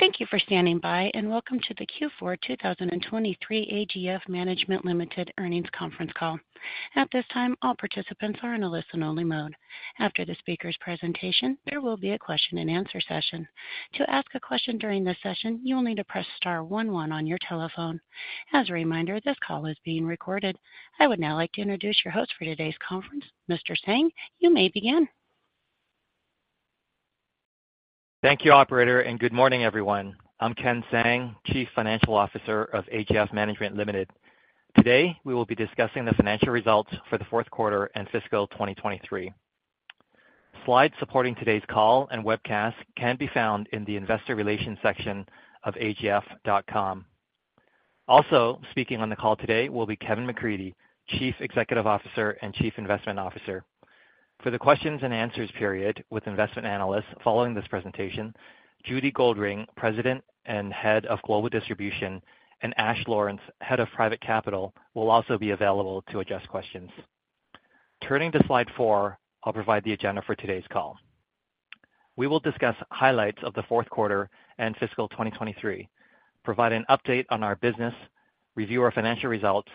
Thank you for standing by, and welcome to the Q4 2023 AGF Management Limited Earnings Conference Call. At this time, all participants are in a listen-only mode. After the speaker's presentation, there will be a question-and-answer session. To ask a question during this session, you will need to press star one one on your telephone. As a reminder, this call is being recorded. I would now like to introduce your host for today's conference, Mr. Tsang. You may begin. Thank you, operator, and good morning, everyone. I'm Ken Tsang, Chief Financial Officer of AGF Management Limited. Today, we will be discussing the financial results for the Fourth Quarter and fiscal 2023. Slides supporting today's call and webcast can be found in the Investor Relations section of agf.com. Also speaking on the call today will be Kevin McCreadie, Chief Executive Officer and Chief Investment Officer. For the questions and answers period with investment analysts following this presentation, Judy Goldring, President and Head of Global Distribution, and Ash Lawrence, Head of Private Capital, will also be available to address questions. Turning to slide four, I'll provide the agenda for today's call. We will discuss highlights of the Fourth Quarter and fiscal 2023, provide an update on our business, review our financial results,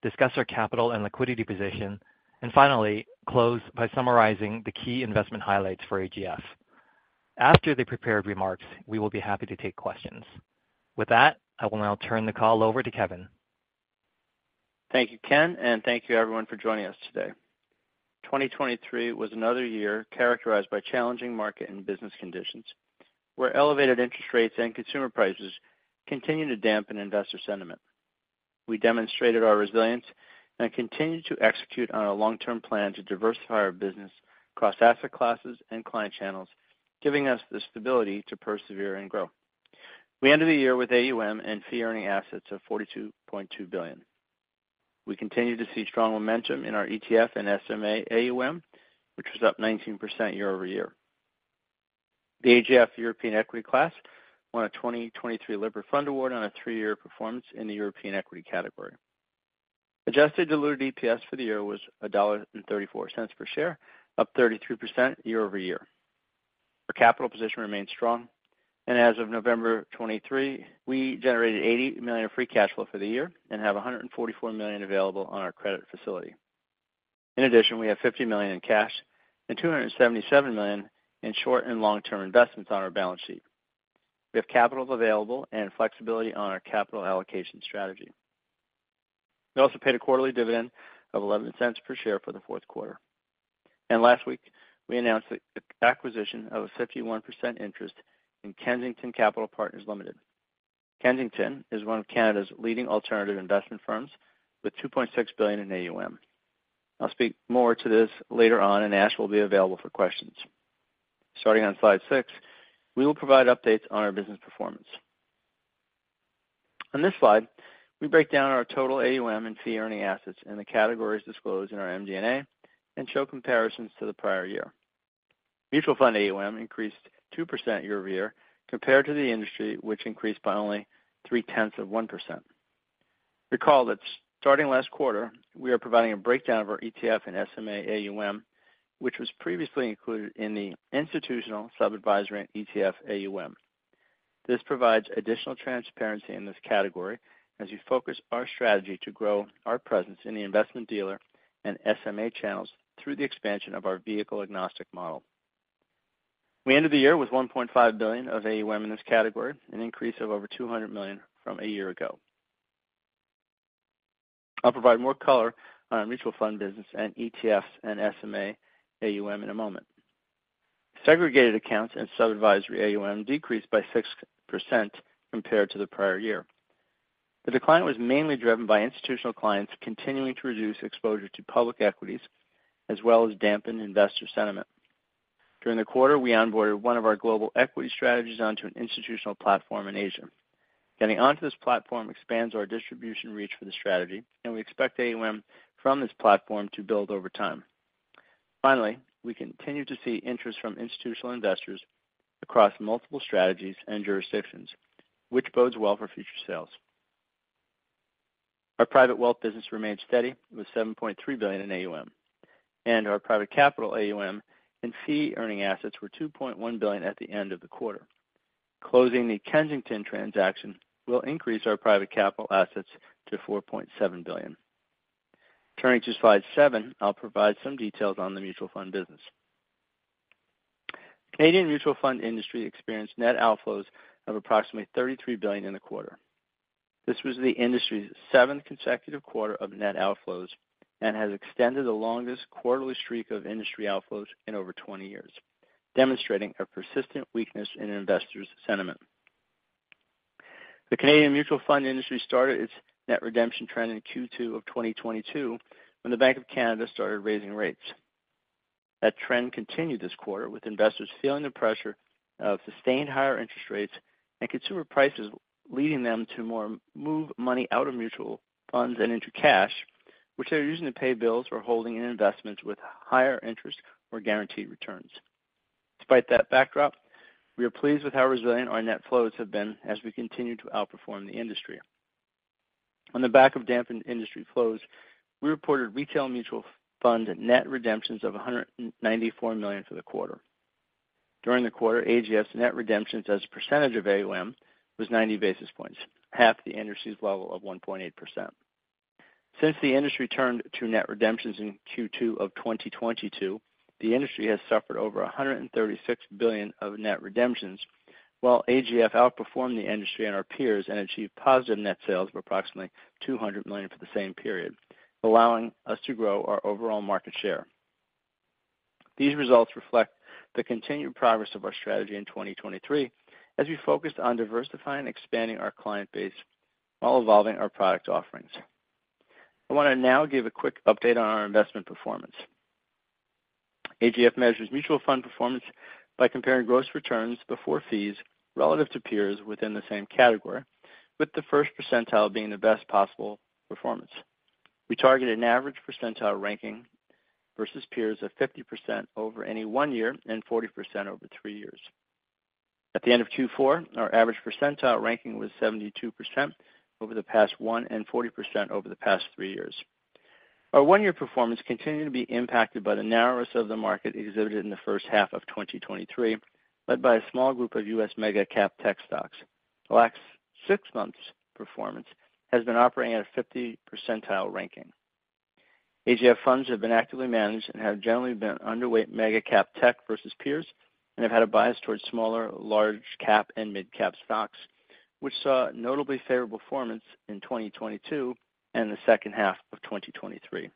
discuss our capital and liquidity position, and finally, close by summarizing the key investment highlights for AGF. After the prepared remarks, we will be happy to take questions. With that, I will now turn the call over to Kevin. Thank you, Ken, and thank you, everyone, for joining us today. 2023 was another year characterized by challenging market and business conditions, where elevated interest rates and consumer prices continued to dampen investor sentiment. We demonstrated our resilience and continued to execute on our long-term plan to diversify our business across asset classes and client channels, giving us the stability to persevere and grow. We ended the year with AUM and fee-earning assets of 42.2 billion. We continued to see strong momentum in our ETF and SMA AUM, which was up 19% year-over-year. The AGF European Equity Class won a 2023 Lipper Fund Award on a three-year performance in the European equity category. Adjusted diluted EPS for the year was 1.34 dollar per share, up 33% year-over-year. Our capital position remains strong, and as of November 2023, we generated 80 million of free cash flow for the year and have 144 million available on our credit facility. In addition, we have 50 million in cash and 277 million in short- and long-term investments on our balance sheet. We have capital available and flexibility on our capital allocation strategy. We also paid a quarterly dividend of 0.11 per share for the Fourth Quarter. And last week, we announced the acquisition of a 51% interest in Kensington Capital Partners Limited. Kensington is one of Canada's leading alternative investment firms with 2.6 billion in AUM. I'll speak more to this later on, and Ash will be available for questions. Starting on slide 6, we will provide updates on our business performance. On this slide, we break down our total AUM and fee-earning assets in the categories disclosed in our MD&A and show comparisons to the prior year. Mutual fund AUM increased 2% year-over-year compared to the industry, which increased by only 0.3%. Recall that starting last quarter, we are providing a breakdown of our ETF and SMA AUM, which was previously included in the institutional sub-advisory and ETF AUM. This provides additional transparency in this category as we focus our strategy to grow our presence in the investment dealer and SMA channels through the expansion of our vehicle-agnostic model. We ended the year with 1.5 billion of AUM in this category, an increase of over 200 million from a year ago. I'll provide more color on our mutual fund business and ETFs and SMA AUM in a moment. Segregated accounts and sub-advisory AUM decreased by 6% compared to the prior year. The decline was mainly driven by institutional clients continuing to reduce exposure to public equities, as well as dampen investor sentiment. During the quarter, we onboarded one of our global equity strategies onto an institutional platform in Asia. Getting onto this platform expands our distribution reach for the strategy, and we expect AUM from this platform to build over time. Finally, we continue to see interest from institutional investors across multiple strategies and jurisdictions, which bodes well for future sales. Our private wealth business remained steady with 7.3 billion in AUM, and our private capital AUM and fee-earning assets were 2.1 billion at the end of the quarter. Closing the Kensington transaction will increase our private capital assets to 4.7 billion. Turning to slide seven, I'll provide some details on the mutual fund business. Canadian mutual fund industry experienced net outflows of approximately 33 billion in the quarter. This was the industry's 7th consecutive quarter of net outflows and has extended the longest quarterly streak of industry outflows in over 20 years, demonstrating a persistent weakness in investors' sentiment. The Canadian mutual fund industry started its net redemption trend in Q2 of 2022, when the Bank of Canada started raising rates. That trend continued this quarter, with investors feeling the pressure of sustained higher interest rates and consumer prices, leading them to more move money out of mutual funds and into cash, which they are using to pay bills or holding in investments with higher interest or guaranteed returns. Despite that backdrop, we are pleased with how resilient our net flows have been as we continue to outperform the industry. On the back of dampened industry flows, we reported retail mutual funds net redemptions of 194 million for the quarter. During the quarter, AGF's net redemptions as a percentage of AUM was 90 basis points, half the industry's level of 1.8%. Since the industry turned to net redemptions in Q2 of 2022, the industry has suffered over 136 billion of net redemptions, while AGF outperformed the industry and our peers and achieved positive net sales of approximately 200 million for the same period, allowing us to grow our overall market share. These results reflect the continued progress of our strategy in 2023, as we focused on diversifying and expanding our client base while evolving our product offerings. I want to now give a quick update on our investment performance. AGF measures mutual fund performance by comparing gross returns before fees relative to peers within the same category, with the first percentile being the best possible performance. We target an average percentile ranking versus peers of 50% over any one year and 40% over three years. At the end of Q4, our average percentile ranking was 72% over the past one and 40% over the past three years. Our one-year performance continued to be impacted by the narrowness of the market exhibited in the first half of 2023, led by a small group of U.S. mega cap tech stocks. The last six months' performance has been operating at a 50 percentile ranking. AGF funds have been actively managed and have generally been underweight mega cap tech versus peers, and have had a bias towards smaller, large cap and midcap stocks, which saw notably favorable performance in 2022 and the second half of 2023.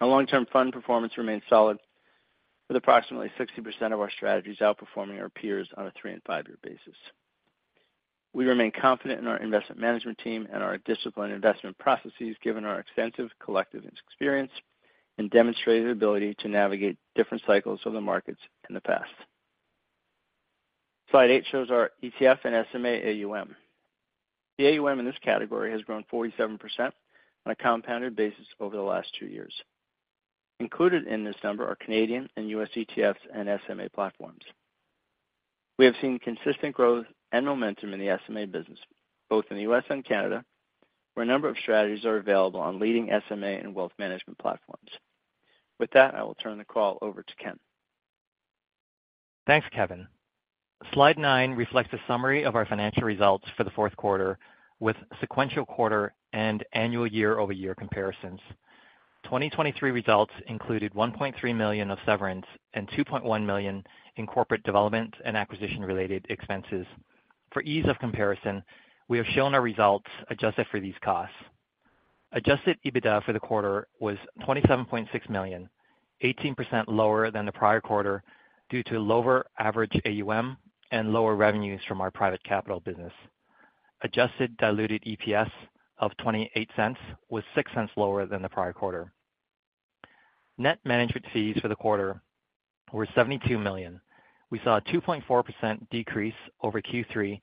Our long-term fund performance remains solid, with approximately 60% of our strategies outperforming our peers on a three and five year basis. We remain confident in our investment management team and our disciplined investment processes, given our extensive collective experience and demonstrated ability to navigate different cycles of the markets in the past. Slide eight shows our ETF and SMA AUM. The AUM in this category has grown 47% on a compounded basis over the last two years. Included in this number are Canadian and US ETFs and SMA platforms. We have seen consistent growth and momentum in the SMA business, both in the U.S. and Canada, where a number of strategies are available on leading SMA and wealth management platforms. With that, I will turn the call over to Ken. Thanks, Kevin. Slide nine reflects a summary of our financial results for the Fourth Quarter, with sequential quarter and annual year-over-year comparisons. 2023 results included 1.3 million of severance and 2.1 million in corporate development and acquisition-related expenses. For ease of comparison, we have shown our results adjusted for these costs. Adjusted EBITDA for the quarter was 27.6 million, 18% lower than the prior quarter, due to lower average AUM and lower revenues from our private capital business. Adjusted diluted EPS of 0.28 was 0.06 lower than the prior quarter. Net management fees for the quarter were 72 million. We saw a 2.4% decrease over Q3,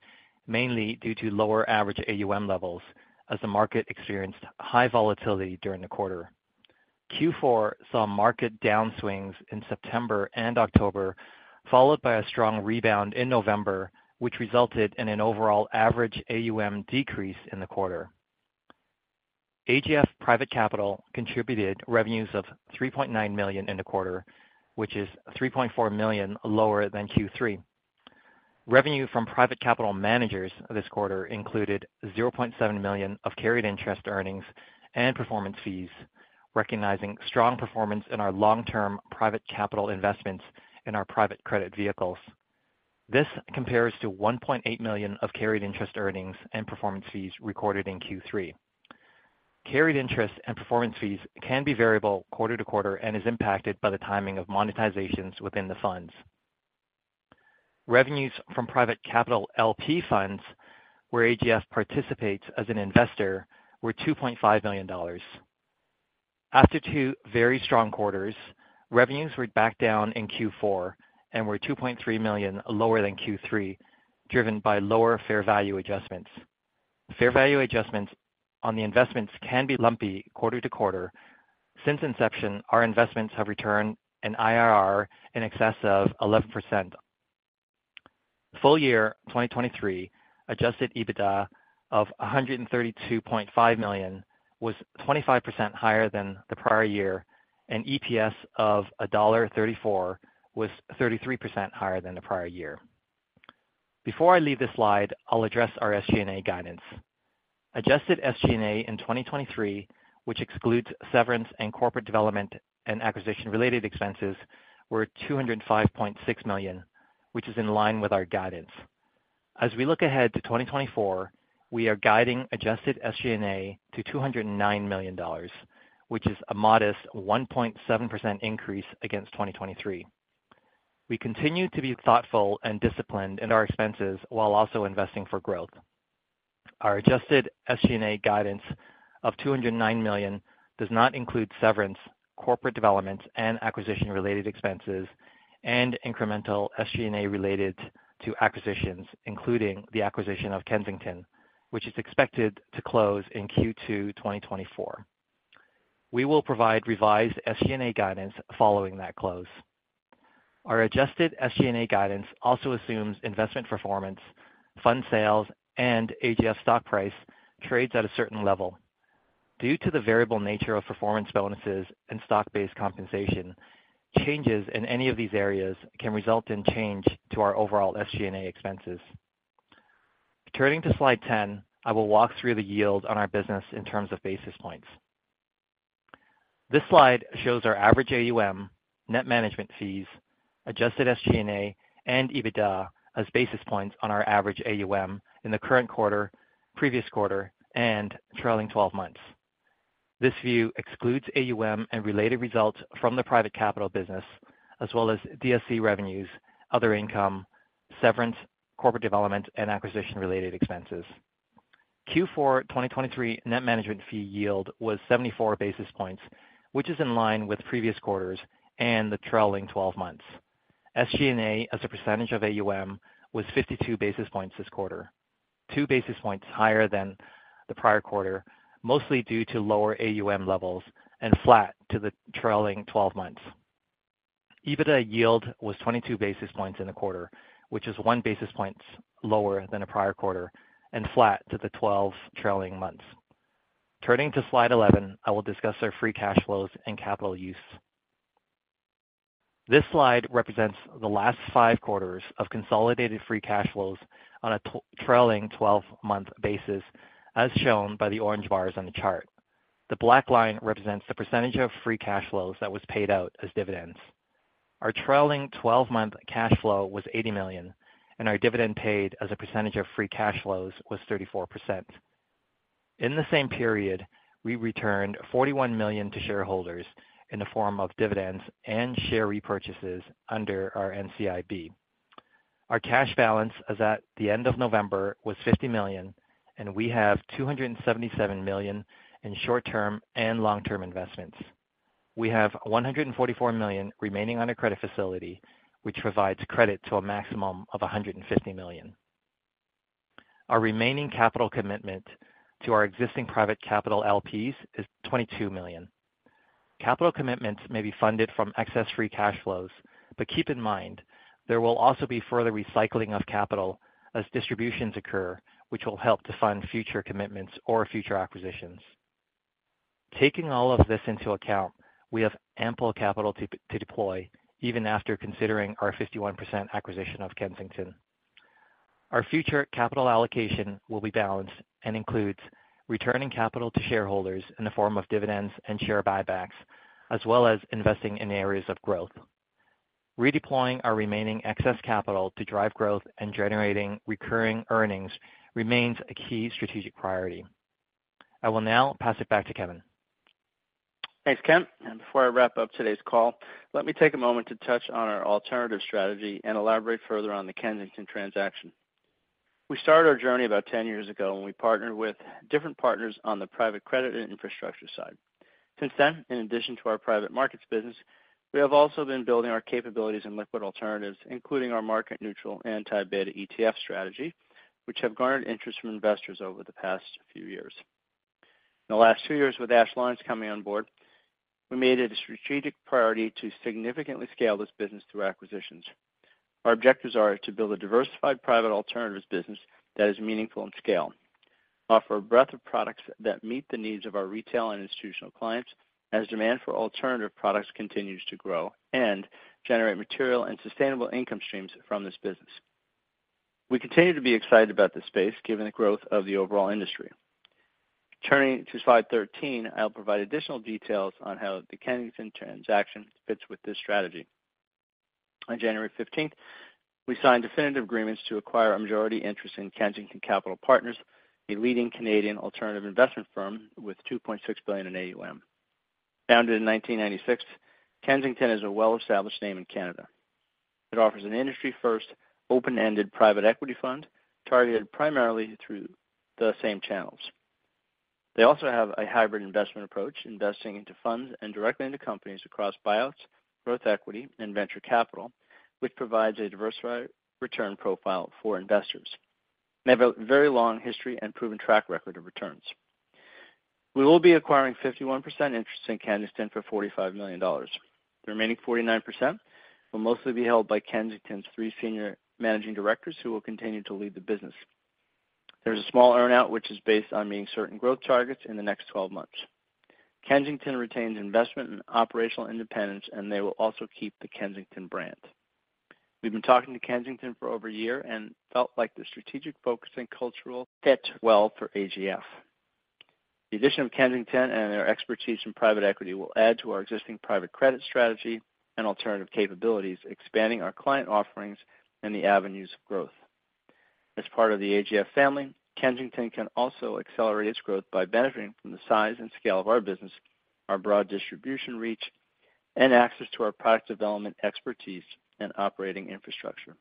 mainly due to lower average AUM levels as the market experienced high volatility during the quarter. Q4 saw market downswings in September and October, followed by a strong rebound in November, which resulted in an overall average AUM decrease in the quarter. AGF Private Capital contributed revenues of 3.9 million in the quarter, which is 3.4 million lower than Q3. Revenue from private capital managers this quarter included 0.7 million of carried interest earnings and performance fees, recognizing strong performance in our long-term private capital investments in our private credit vehicles. This compares to 1.8 million of carried interest earnings and performance fees recorded in Q3. Carried interest and performance fees can be variable quarter to quarter and is impacted by the timing of monetizations within the funds. Revenues from private capital LP funds, where AGF participates as an investor, were 2.5 million dollars. After two very strong quarters, revenues were back down in Q4 and were 2.3 million lower than Q3, driven by lower fair value adjustments. Fair value adjustments on the investments can be lumpy quarter to quarter. Since inception, our investments have returned an IRR in excess of 11%. Full year 2023 adjusted EBITDA of 132.5 million was 25% higher than the prior year, and EPS of dollar 1.34 was 33% higher than the prior year. Before I leave this slide, I'll address our SG&A guidance. Adjusted SG&A in 2023, which excludes severance and corporate development and acquisition-related expenses, were 205.6 million, which is in line with our guidance. As we look ahead to 2024, we are guiding adjusted SG&A to 209 million dollars, which is a modest 1.7% increase against 2023. We continue to be thoughtful and disciplined in our expenses while also investing for growth. Our adjusted SG&A guidance of 209 million does not include severance, corporate development, and acquisition-related expenses, and incremental SG&A related to acquisitions, including the acquisition of Kensington, which is expected to close in Q2 2024. We will provide revised SG&A guidance following that close.... Our adjusted SG&A guidance also assumes investment performance, fund sales, and AGF stock price trades at a certain level. Due to the variable nature of performance bonuses and stock-based compensation, changes in any of these areas can result in change to our overall SG&A expenses. Turning to slide 10, I will walk through the yield on our business in terms of basis points. This slide shows our average AUM, net management fees, adjusted SG&A, and EBITDA as basis points on our average AUM in the current quarter, previous quarter, and trailing twelve months. This view excludes AUM and related results from the private capital business, as well as DSC revenues, other income, severance, corporate development, and acquisition-related expenses. Q4 2023 net management fee yield was 74 basis points, which is in line with previous quarters and the trailing twelve months. SG&A, as a percentage of AUM, was 52 basis points this quarter, 2 basis points higher than the prior quarter, mostly due to lower AUM levels and flat to the trailing twelve months. EBITDA yield was 22 basis points in the quarter, which is one basis points lower than the prior quarter and flat to the 12 trailing months. Turning to slide 11, I will discuss our free cash flows and capital use. This slide represents the last five quarters of consolidated free cash flows on a trailing twelve-month basis, as shown by the orange bars on the chart. The black line represents the percentage of free cash flows that was paid out as dividends. Our trailing twelve-month cash flow was 80 million, and our dividend paid as a percentage of free cash flows was 34%. In the same period, we returned 41 million to shareholders in the form of dividends and share repurchases under our NCIB. Our cash balance as at the end of November was 50 million, and we have 277 million in short-term and long-term investments. We have 144 million remaining on a credit facility, which provides credit to a maximum of 150 million. Our remaining capital commitment to our existing private capital LPs is 22 million. Capital commitments may be funded from excess free cash flows, but keep in mind, there will also be further recycling of capital as distributions occur, which will help to fund future commitments or future acquisitions. Taking all of this into account, we have ample capital to, to deploy, even after considering our 51% acquisition of Kensington. Our future capital allocation will be balanced and includes returning capital to shareholders in the form of dividends and share buybacks, as well as investing in areas of growth. Redeploying our remaining excess capital to drive growth and generating recurring earnings remains a key strategic priority. I will now pass it back to Kevin. Thanks, Ken. And before I wrap up today's call, let me take a moment to touch on our alternative strategy and elaborate further on the Kensington transaction. We started our journey about 10 years ago, when we partnered with different partners on the private credit and infrastructure side. Since then, in addition to our private markets business, we have also been building our capabilities in liquid alternatives, including our market neutral anti-beta ETF strategy, which have garnered interest from investors over the past few years. In the last 2 years, with Ash Lawrence coming on board, we made it a strategic priority to significantly scale this business through acquisitions. Our objectives are to build a diversified private alternatives business that is meaningful in scale, offer a breadth of products that meet the needs of our retail and institutional clients as demand for alternative products continues to grow, and generate material and sustainable income streams from this business. We continue to be excited about this space, given the growth of the overall industry. Turning to slide 13, I'll provide additional details on how the Kensington transaction fits with this strategy. On January fifteenth, we signed definitive agreements to acquire a majority interest in Kensington Capital Partners, a leading Canadian alternative investment firm with 2.6 billion in AUM. Founded in 1996, Kensington is a well-established name in Canada. It offers an industry-first, open-ended private equity fund, targeted primarily through the same channels. They also have a hybrid investment approach, investing into funds and directly into companies across buyouts, growth equity, and venture capital, which provides a diversified return profile for investors. They have a very long history and proven track record of returns. We will be acquiring 51% interest in Kensington for 45 million dollars. The remaining 49% will mostly be held by Kensington's three senior managing directors, who will continue to lead the business. There's a small earn-out, which is based on meeting certain growth targets in the next 12 months. Kensington retains investment and operational independence, and they will also keep the Kensington brand. We've been talking to Kensington for over a year and felt like the strategic focus and cultural fit well for AGF. The addition of Kensington and their expertise in private equity will add to our existing private credit strategy and alternative capabilities, expanding our client offerings and the avenues of growth. As part of the AGF family, Kensington can also accelerate its growth by benefiting from the size and scale of our business, our broad distribution reach, and access to our product development expertise and operating infrastructure.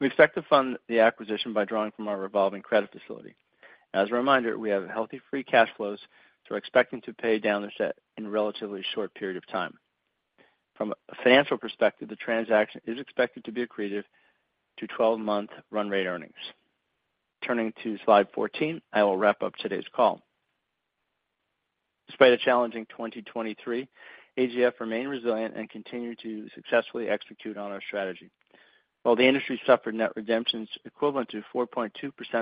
We expect to fund the acquisition by drawing from our revolving credit facility. As a reminder, we have healthy free cash flows, so we're expecting to pay down the debt in a relatively short period of time. From a financial perspective, the transaction is expected to be accretive to 12-month run rate earnings. Turning to slide 14, I will wrap up today's call. Despite a challenging 2023, AGF remained resilient and continued to successfully execute on our strategy. While the industry suffered net redemptions equivalent to 4.2%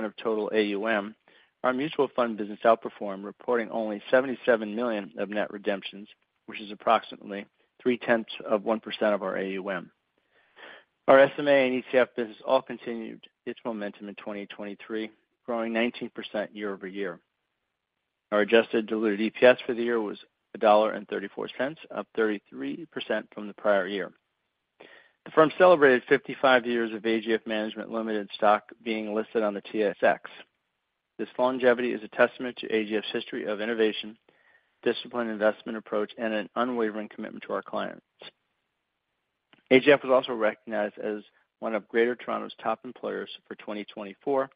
of total AUM, our mutual fund business outperformed, reporting only 77 million of net redemptions, which is approximately 0.3% of our AUM. Our SMA and ETF business all continued its momentum in 2023, growing 19% year-over-year. Our adjusted diluted EPS for the year was 1.34 dollar, up 33% from the prior year. The firm celebrated 55 years of AGF Management Limited stock being listed on the TSX. This longevity is a testament to AGF's history of innovation, disciplined investment approach, and an unwavering commitment to our clients. AGF was also recognized as one of Greater Toronto's top employers for 2024,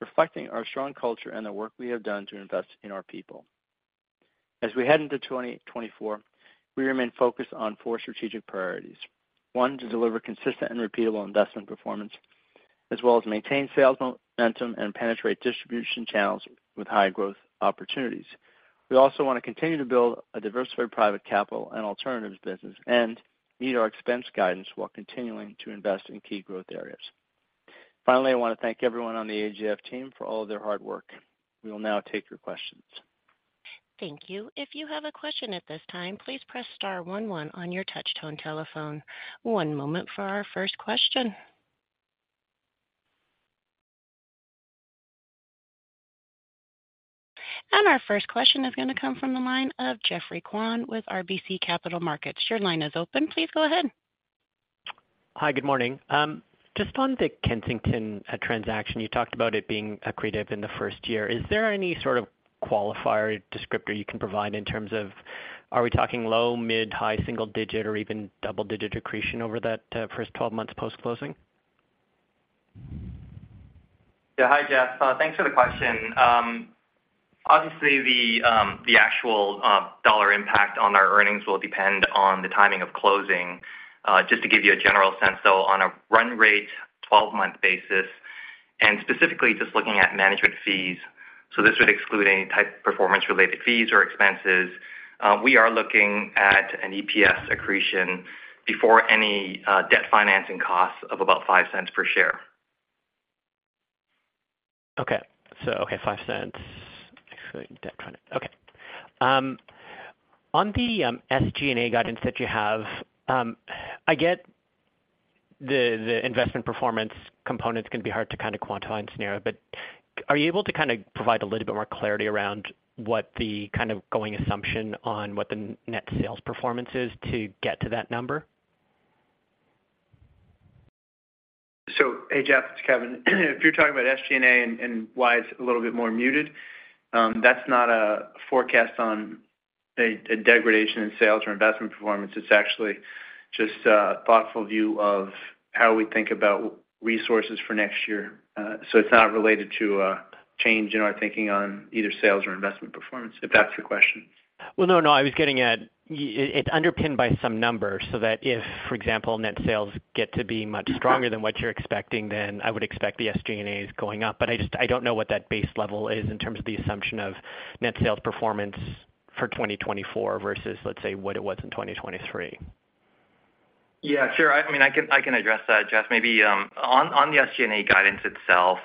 reflecting our strong culture and the work we have done to invest in our people. As we head into 2024, we remain focused on four strategic priorities. One, to deliver consistent and repeatable investment performance, as well as maintain sales momentum and penetrate distribution channels with high growth opportunities. We also want to continue to build a diversified private capital and alternatives business and meet our expense guidance while continuing to invest in key growth areas. Finally, I want to thank everyone on the AGF team for all of their hard work. We will now take your questions. Thank you. If you have a question at this time, please press star one one on your touchtone telephone. One moment for our first question. Our first question is going to come from the line of Geoffrey Kwan with RBC Capital Markets. Your line is open. Please go ahead. Hi, good morning. Just on the Kensington transaction, you talked about it being accretive in the first year. Is there any sort of qualifier descriptor you can provide in terms of, are we talking low, mid, high, single-digit, or even double-digit accretion over that first 12 months post-closing? Yeah. Hi, Jeff. Thanks for the question. Obviously the actual dollar impact on our earnings will depend on the timing of closing. Just to give you a general sense, though, on a run rate, 12-month basis, and specifically just looking at management fees, so this would exclude any type of performance-related fees or expenses, we are looking at an EPS accretion before any debt financing costs of about $0.05 per share. Okay. So, okay, CAD 0.05. Actually, the SG&A guidance that you have, I get the, the investment performance component is going to be hard to kind of quantify and scenario, but are you able to kind of provide a little bit more clarity around what the kind of going assumption on what the net sales performance is to get to that number? So, hey, Jeff, it's Kevin. If you're talking about SG&A and why it's a little bit more muted, that's not a forecast on a degradation in sales or investment performance. It's actually just a thoughtful view of how we think about resources for next year. So it's not related to a change in our thinking on either sales or investment performance, if that's your question. Well, no, no. I was getting at, it's underpinned by some numbers, so that if, for example, net sales get to be much stronger than what you're expecting, then I would expect the SG&A is going up. But I just—I don't know what that base level is in terms of the assumption of net sales performance for 2024 versus, let's say, what it was in 2023. Yeah, sure. I mean, I can address that, Jeff. Maybe on the SG&A guidance itself,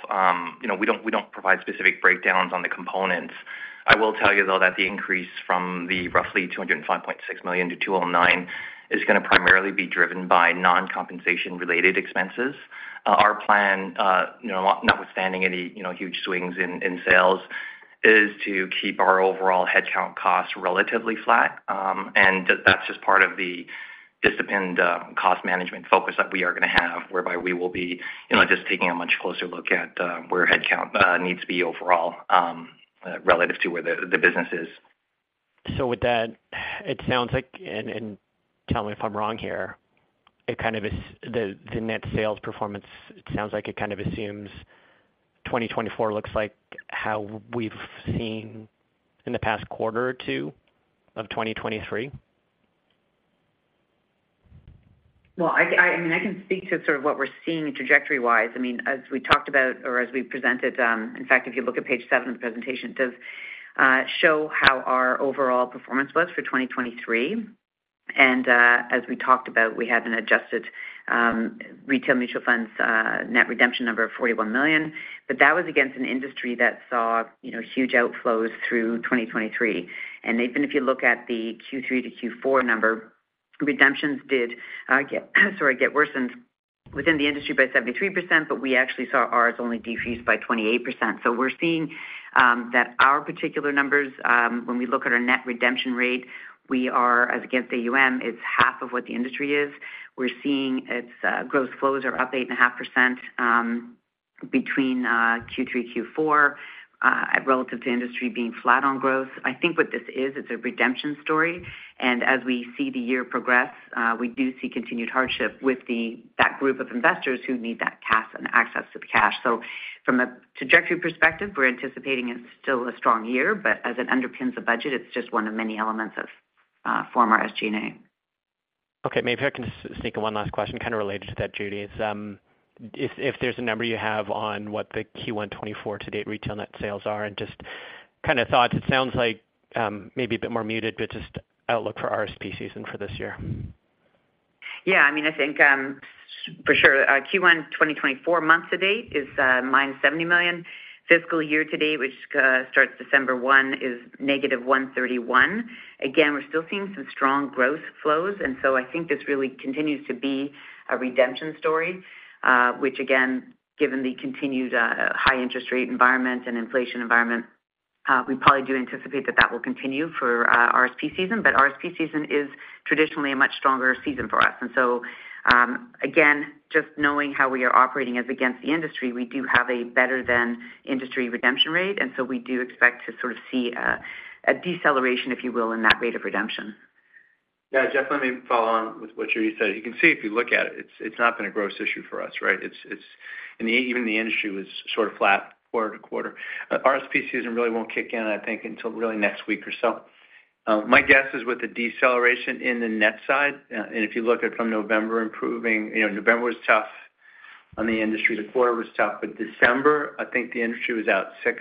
you know, we don't provide specific breakdowns on the components. I will tell you, though, that the increase from roughly 205.6 million to 209 million is going to primarily be driven by non-compensation related expenses. Our plan, you know, notwithstanding any huge swings in sales, is to keep our overall headcount costs relatively flat. And that's just part of the disciplined cost management focus that we are going to have, whereby we will be, you know, just taking a much closer look at where headcount needs to be overall, relative to where the business is. So with that, it sounds like, and tell me if I'm wrong here, it kind of is... The net sales performance, it sounds like it kind of assumes 2024 looks like how we've seen in the past quarter or two of 2023. Well, I mean, I can speak to sort of what we're seeing trajectory-wise. I mean, as we talked about or as we presented, in fact, if you look at page seven of the presentation, it does show how our overall performance was for 2023. And as we talked about, we had an adjusted retail mutual funds net redemption number of 41 million, but that was against an industry that saw, you know, huge outflows through 2023. And even if you look at the Q3 to Q4 number, redemptions did get worsened within the industry by 73%, but we actually saw ours only decrease by 28%. So we're seeing that our particular numbers, when we look at our net redemption rate, we are as against the AUM, it's half of what the industry is. We're seeing its gross flows are up 8.5%, between Q3, Q4 relative to industry being flat on growth. I think what this is, it's a redemption story, and as we see the year progress, we do see continued hardship with that group of investors who need that cash and access to the cash. So from a trajectory perspective, we're anticipating it's still a strong year, but as it underpins the budget, it's just one of many elements of former SG&A. Okay, maybe if I can just sneak in one last question, kind of related to that, Judy, is, if there's a number you have on what the Q1 2024 to date retail net sales are, and just kind of thoughts. It sounds like, maybe a bit more muted, but just outlook for RSP season for this year. Yeah, I mean, I think, for sure, Q1 2024 month to date is -70 million. Fiscal year to date, which starts December 1, is -131 million. Again, we're still seeing some strong growth flows, and so I think this really continues to be a redemption story, which again, given the continued, high interest rate environment and inflation environment, we probably do anticipate that that will continue for, RSP season. But RSP season is traditionally a much stronger season for us. And so, again, just knowing how we are operating as against the industry, we do have a better-than-industry redemption rate, and so we do expect to sort of see a, a deceleration, if you will, in that rate of redemption. Yeah, Jeff, let me follow on with what Judy said. You can see if you look at it, it's not been a gross issue for us, right? It's, and even the industry was sort of flat quarter to quarter. RSP season really won't kick in, I think, until really next week or so. My guess is with the deceleration in the net side, and if you look at from November improving, you know, November was tough on the industry. The quarter was tough, but December, I think the industry was out 6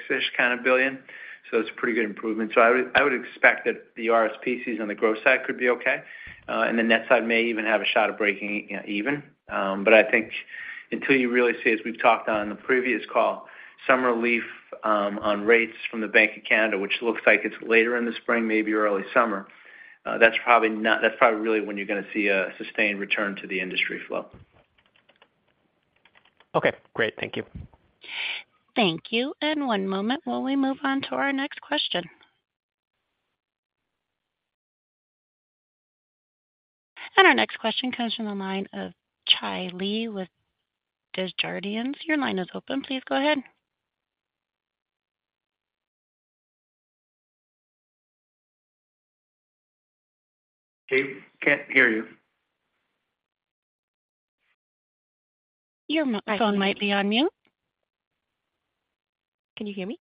billion, so it's a pretty good improvement. So I would expect that the RSP season on the growth side could be okay, and the net side may even have a shot of breaking even. But I think until you really see, as we've talked on the previous call, some relief on rates from the Bank of Canada, which looks like it's later in the spring, maybe early summer, that's probably not, that's probably really when you're going to see a sustained return to the industry flow. Okay, great. Thank you. Thank you. One moment while we move on to our next question. Our next question comes from the line of Gary Ho with Desjardins. Your line is open. Please go ahead. Okay, can't hear you. Your microphone might be on mute. Can you hear me?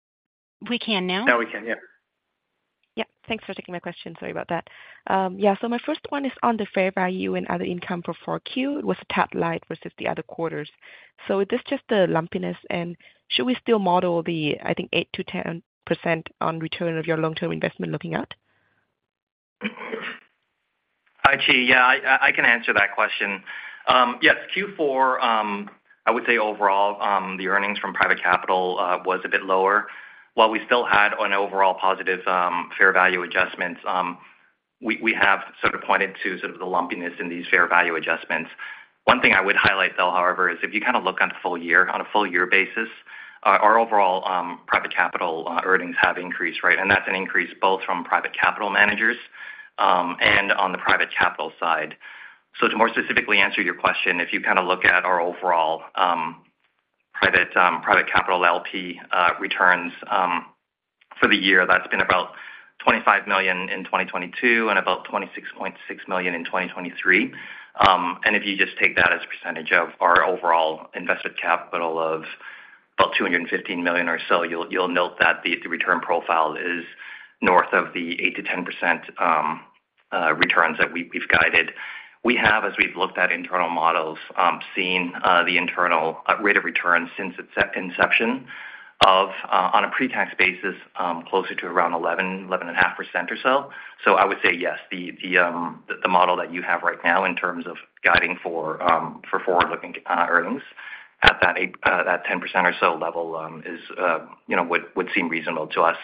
We can now. Now we can, yeah. Yeah. Thanks for taking my question. Sorry about that. Yeah, so my first one is on the fair value and other income for Q4. It was a tad light versus the other quarters. So is this just a lumpiness, and should we still model the, I think, 8%-10% on return of your long-term investment looking at? Hi, Gary. Yeah, I can answer that question. Yes, Q4, I would say overall, the earnings from private capital was a bit lower. While we still had an overall positive fair value adjustments, we have sort of pointed to sort of the lumpiness in these fair value adjustments. One thing I would highlight, though, however, is if you kind of look on the full year, on a full year basis, our overall private capital earnings have increased, right? And that's an increase both from private capital managers and on the private capital side. So to more specifically answer your question, if you kind of look at our overall private capital LP returns for the year, that's been about 25 million in 2022 and about 26.6 million in 2023. And if you just take that as a percentage of our overall invested capital of about 215 million or so, you'll, you'll note that the, the return profile is north of the 8%-10%, returns that we've, we've guided. We have, as we've looked at internal models, seen, the internal rate of return since its set inception of, on a pre-tax basis, closer to around 11, 11.5% or so. So I would say yes, the, the, the model that you have right now in terms of guiding for, for forward-looking, earnings at that 8, that 10% or so level, is, you know, would, would seem reasonable to us.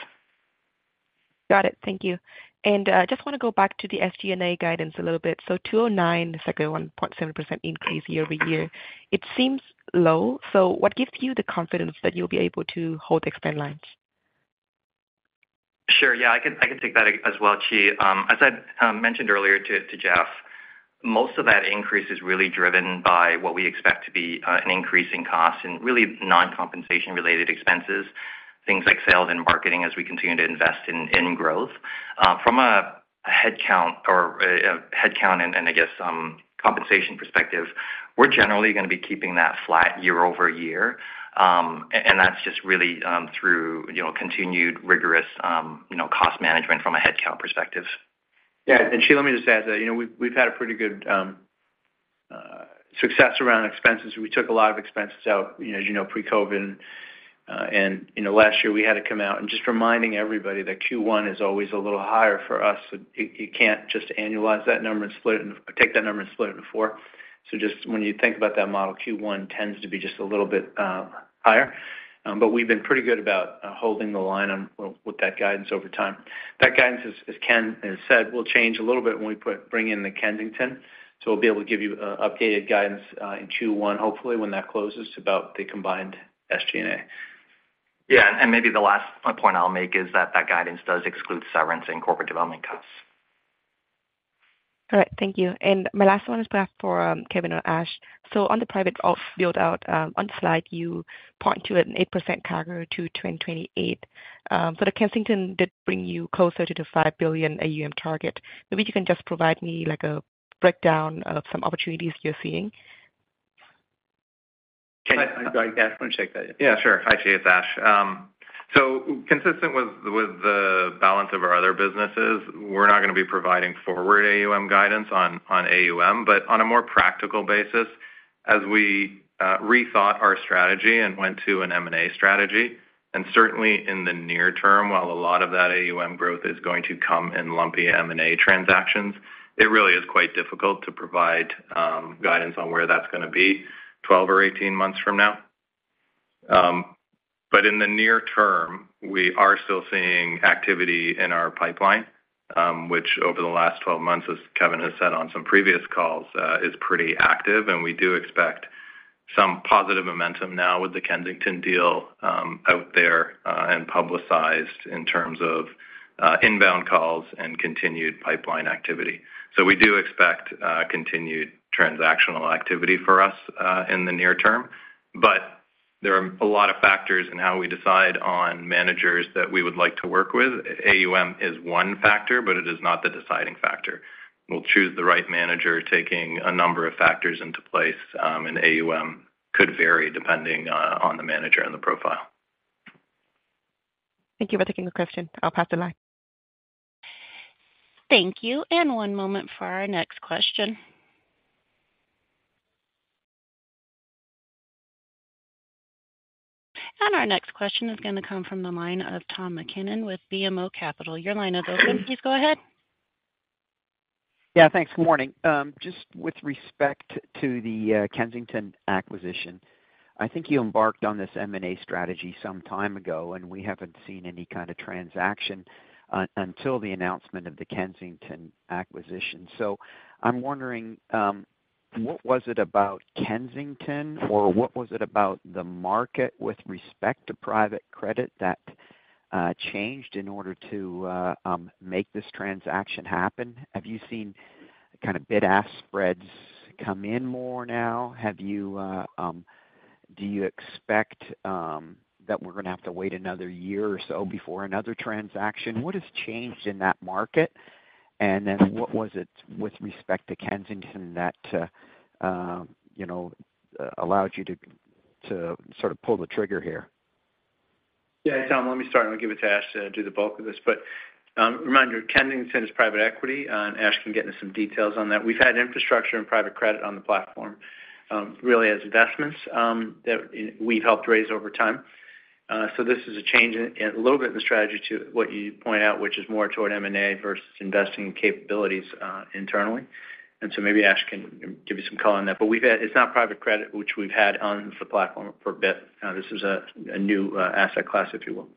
Got it. Thank you. And, just want to go back to the SG&A guidance a little bit. So 209, it's like a 1.7% increase year-over-year. It seems low, so what gives you the confidence that you'll be able to hold the expense lines? Sure. Yeah, I can, I can take that as well, Gary. As I mentioned earlier to Jeff, most of that increase is really driven by what we expect to be an increase in costs and really non-compensation related expenses, things like sales and marketing, as we continue to invest in growth. From a headcount or headcount and I guess compensation perspective, we're generally going to be keeping that flat year over year. And that's just really through, you know, continued rigorous, you know, cost management from a headcount perspective. Yeah, and Gary, let me just add that, you know, we've had a pretty good success around expenses. We took a lot of expenses out, you know, as you know, pre-COVID. And you know, last year we had to come out and just reminding everybody that Q1 is always a little higher for us. So you can't just annualize that number and split it, take that number and split it in four. So just when you think about that model, Q1 tends to be just a little bit higher. But we've been pretty good about holding the line on with that guidance over time. That guidance, as Ken has said, will change a little bit when we bring in the Kensington. So we'll be able to give you updated guidance in Q1, hopefully, when that closes about the combined SG&A. Yeah, and maybe the last point I'll make is that that guidance does exclude severance and corporate development costs. All right, thank you. And my last one is perhaps for Kevin or Ash. So on the private alt build out, on slide, you point to an 8% CAGR to 2028. But the Kensington did bring you closer to the 5 billion AUM target. Maybe you can just provide me, like, a breakdown of some opportunities you're seeing? Can I go ahead, Ash? Want to check that? Yeah, sure. Hi, Gary, it's Ash. So consistent with, with the balance of our other businesses, we're not going to be providing forward AUM guidance on, on AUM. But on a more practical basis, as we rethought our strategy and went to an M&A strategy, and certainly in the near term, while a lot of that AUM growth is going to come in lumpy M&A transactions, it really is quite difficult to provide guidance on where that's going to be 12 months or 18 months from now. But in the near term, we are still seeing activity in our pipeline, which over the last 12 months, as Kevin has said on some previous calls, is pretty active, and we do expect some positive momentum now with the Kensington deal out there and publicized in terms of inbound calls and continued pipeline activity. So we do expect continued transactional activity for us in the near term. But there are a lot of factors in how we decide on managers that we would like to work with. AUM is one factor, but it is not the deciding factor. We'll choose the right manager, taking a number of factors into place, and AUM could vary depending on the manager and the profile. Thank you for taking the question. I'll pass the line. Thank you, and one moment for our next question. And our next question is going to come from the line of Tom MacKinnon with BMO Capital. Your line is open. Please go ahead. Yeah, thanks. Good morning. Just with respect to the Kensington acquisition, I think you embarked on this M&A strategy some time ago, and we haven't seen any kind of transaction until the announcement of the Kensington acquisition. So I'm wondering what was it about Kensington, or what was it about the market with respect to private credit that changed in order to make this transaction happen? Have you seen kind of bid-ask spreads come in more now? Do you expect that we're going to have to wait another year or so before another transaction? What has changed in that market? And then what was it with respect to Kensington that you know allowed you to, to sort of pull the trigger here? Yeah, Tom, let me start, and I'll give it to Ash to do the bulk of this. But, reminder, Kensington is private equity, and Ash can get into some details on that. We've had infrastructure and private credit on the platform, really as investments, that we've helped raise over time. So this is a change in, a little bit in the strategy to what you point out, which is more toward M&A versus investing capabilities, internally. And so maybe Ash can give you some color on that. But we've had—It's not private credit, which we've had on the platform for a bit. This is a new asset class, if you will.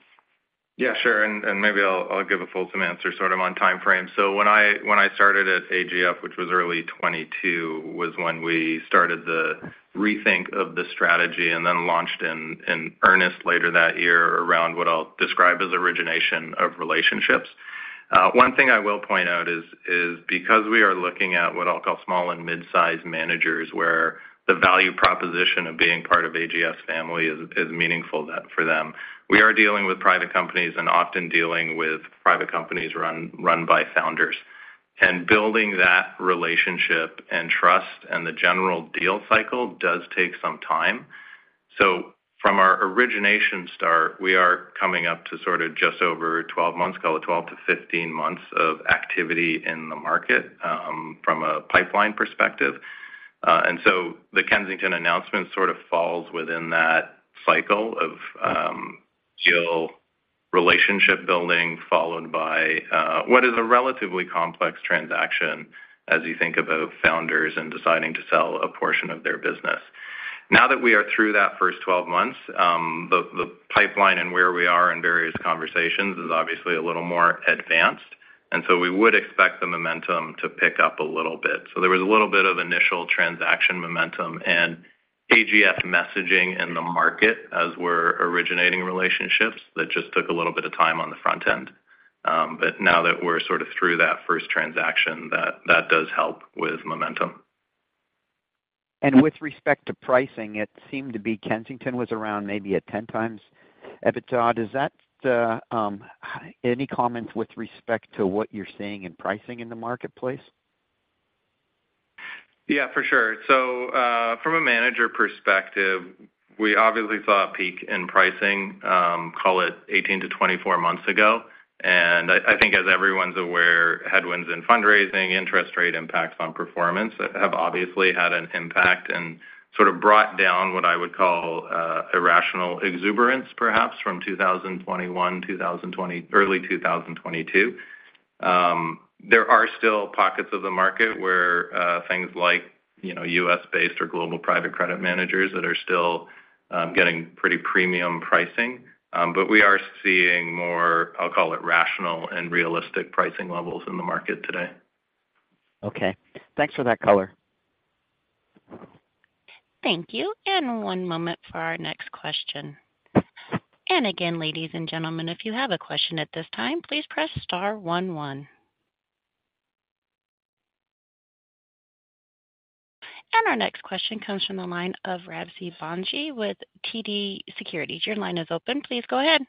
Yeah, sure, and maybe I'll give a fulsome answer, sort of on timeframe. So when I started at AGF, which was early 2022, was when we started the rethink of the strategy and then launched in earnest later that year around what I'll describe as origination of relationships. One thing I will point out is because we are looking at what I'll call small and mid-sized managers, where the value proposition of being part of AGF's family is meaningful that, for them, we are dealing with private companies and often dealing with private companies run by founders. Building that relationship and trust and the general deal cycle does take some time. So from our origination start, we are coming up to sort of just over 12 months, call it 12-15 months of activity in the market, from a pipeline perspective. And so the Kensington announcement sort of falls within that cycle of, deal relationship building, followed by, what is a relatively complex transaction as you think about founders and deciding to sell a portion of their business. Now that we are through that first 12 months, the pipeline and where we are in various conversations is obviously a little more advanced, and so we would expect the momentum to pick up a little bit. So there was a little bit of initial transaction momentum and AGF messaging in the market as we're originating relationships that just took a little bit of time on the front end. But now that we're sort of through that first transaction, that, that does help with momentum. With respect to pricing, it seemed to be Kensington was around maybe at 10x EBITDA. Does that any comments with respect to what you're seeing in pricing in the marketplace? Yeah, for sure. So, from a manager perspective, we obviously saw a peak in pricing, call it 18-24 months ago. And I think as everyone's aware, headwinds in fundraising, interest rate impacts on performance have obviously had an impact and sort of brought down what I would call, irrational exuberance, perhaps from 2021, early 2022. There are still pockets of the market where, things like, you know, U.S.-based or global private credit managers that are still, getting pretty premium pricing. But we are seeing more, I'll call it rational and realistic pricing levels in the market today. Okay. Thanks for that color. Thank you, and one moment for our next question. And again, ladies and gentlemen, if you have a question at this time, please press star one one. And our next question comes from the line of Rasib Bhanji with TD Securities. Your line is open. Please go ahead....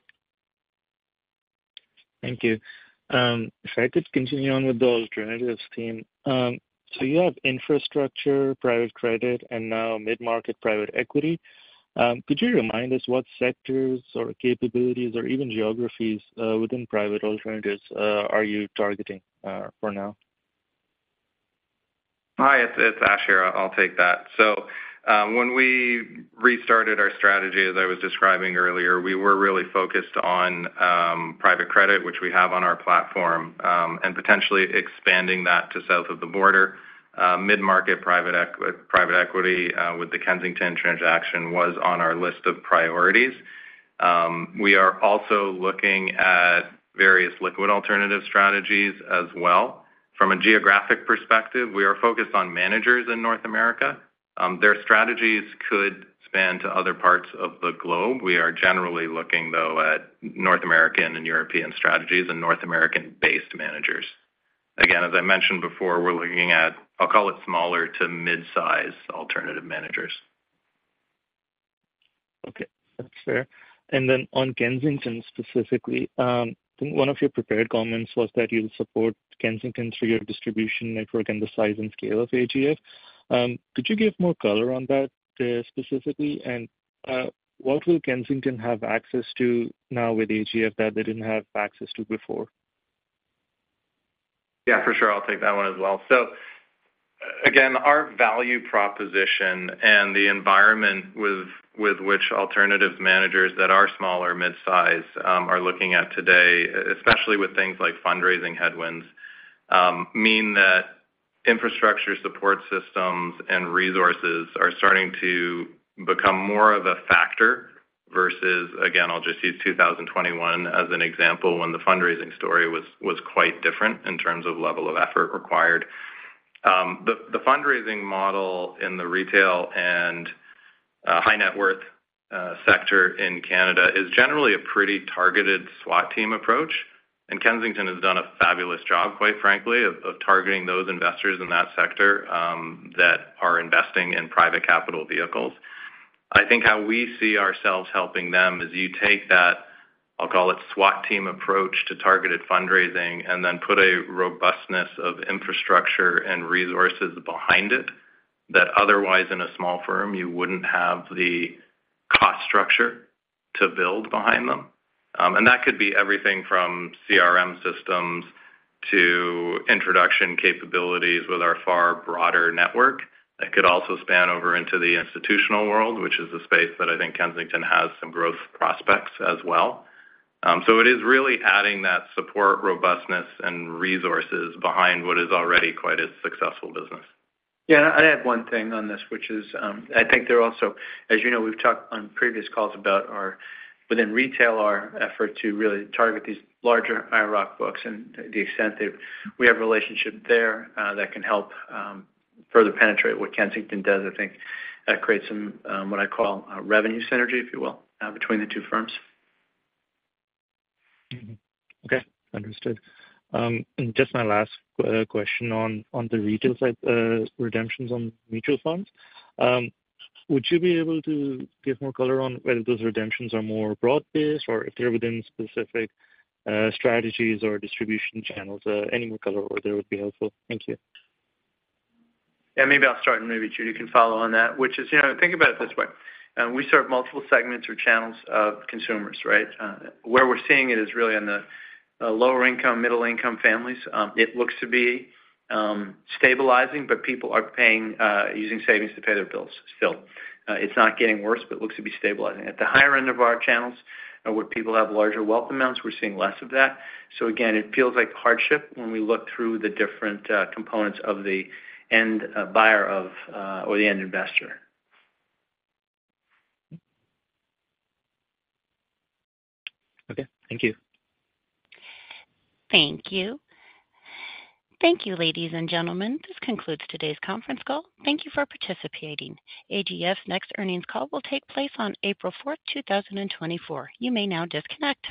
Thank you. If I could continue on with the alternatives team. So you have infrastructure, private credit, and now mid-market Private Equity. Could you remind us what sectors or capabilities or even geographies within private alternatives are you targeting for now? Hi, it's, it's Ash here. I'll take that. So, when we restarted our strategy, as I was describing earlier, we were really focused on private credit, which we have on our platform, and potentially expanding that to south of the border. Mid-market private equity, with the Kensington transaction was on our list of priorities. We are also looking at various liquid alternative strategies as well. From a geographic perspective, we are focused on managers in North America. Their strategies could span to other parts of the globe. We are generally looking, though, at North American and European strategies and North American-based managers. Again, as I mentioned before, we're looking at, I'll call it smaller to mid-size alternative managers. Okay, that's fair. And then on Kensington specifically, I think one of your prepared comments was that you'll support Kensington through your distribution network and the size and scale of AGF. Could you give more color on that, specifically? And, what will Kensington have access to now with AGF that they didn't have access to before? Yeah, for sure. I'll take that one as well. So again, our value proposition and the environment with which alternative managers that are smaller, mid-size, are looking at today, especially with things like fundraising headwinds, mean that infrastructure support systems and resources are starting to become more of a factor versus, again, I'll just use 2021 as an example, when the fundraising story was quite different in terms of level of effort required. The fundraising model in the retail and high net worth sector in Canada is generally a pretty targeted SWAT team approach, and Kensington has done a fabulous job, quite frankly, of targeting those investors in that sector, that are investing in private capital vehicles. I think how we see ourselves helping them is you take that, I'll call it SWAT team approach to targeted fundraising, and then put a robustness of infrastructure and resources behind it, that otherwise, in a small firm, you wouldn't have the cost structure to build behind them. And that could be everything from CRM systems to introduction capabilities with our far broader network. It could also span over into the institutional world, which is a space that I think Kensington has some growth prospects as well. So it is really adding that support, robustness, and resources behind what is already quite a successful business. Yeah, and I'd add one thing on this, which is, I think there are also... As you know, we've talked on previous calls about our, within retail, our effort to really target these larger IIROC books and the extent that we have a relationship there, that can help, further penetrate what Kensington does. I think that creates some, what I call a revenue synergy, if you will, between the two firms. Okay, understood. And just my last question on, on the retail side, redemptions on mutual funds. Would you be able to give more color on whether those redemptions are more broad-based, or if they're within specific, strategies or distribution channels? Any more color over there would be helpful. Thank you. Yeah, maybe I'll start, and maybe, Judy, you can follow on that, which is, you know, think about it this way. We serve multiple segments or channels of consumers, right? Where we're seeing it is really on the lower income, middle income families. It looks to be stabilizing, but people are paying using savings to pay their bills still. It's not getting worse, but it looks to be stabilizing. At the higher end of our channels, where people have larger wealth amounts, we're seeing less of that. So again, it feels like hardship when we look through the different components of the end buyer or the end investor. Okay, thank you. Thank you. Thank you, ladies and gentlemen. This concludes today's conference call. Thank you for participating. AGF's next earnings call will take place on April 4, 2024. You may now disconnect.